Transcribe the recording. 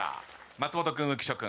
松本君浮所君。